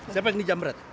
siapa yang dijam berat